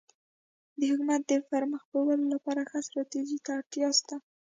د حکومت د پرمخ بیولو لپاره ښه ستراتيژي ته اړتیا سته.